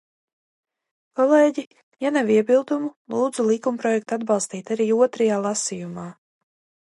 Kolēģi, ja nav iebildumu, lūdzu likumprojektu atbalstīt arī otrajā lasījumā.